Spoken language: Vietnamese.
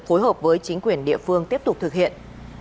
phối hợp với chính quyền địa phương tiếp tục thực hiện